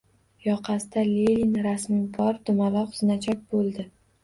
Yoqasida Lenin rasmi bor dumaloq znachok bo‘ldi.